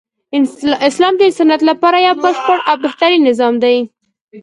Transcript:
اسلام د انسانیت لپاره یو بشپړ او بهترین نظام دی .